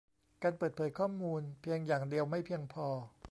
การเปิดเผยข้อมูลเพียงอย่างเดียวไม่เพียงพอ